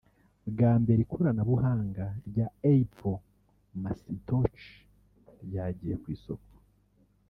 Bwa mbere ikoranabuhanga rya Apple Macintosh ryagiye ku isoko